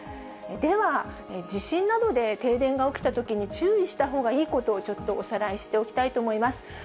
では、地震などで停電が起きたときに注意したほうがいいことをちょっとおさらいしておきたいと思います。